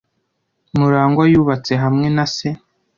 Murangwa yubatse hamwe na se.